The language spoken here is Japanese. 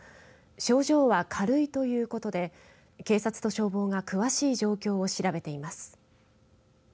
症状は軽いということで警察と消防が詳しい状況を調べています。